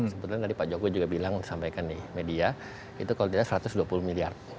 sebetulnya tadi pak jokowi juga bilang sampaikan nih media itu kalau tidak satu ratus dua puluh miliar